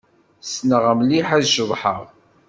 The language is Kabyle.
Ssneɣ mliḥ ad ceḍḥeɣ.